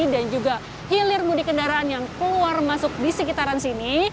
dan juga hilir mudik kendaraan yang keluar masuk di sekitaran sini